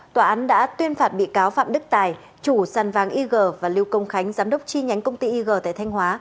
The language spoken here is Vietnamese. tòa án đã tuyên phạt bị cáo phạm đức tài chủ săn vang yg và lưu công khánh giám đốc chi nhánh công ty yg tại thanh hóa